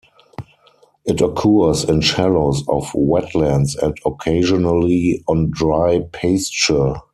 It occurs in shallows of wetlands and occasionally on dry pasture.